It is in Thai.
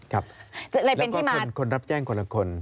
แล้วก็คนรับแจ้งคนละคน